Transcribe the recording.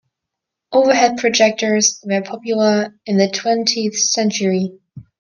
Overhead projectors were popular in the twentieth century.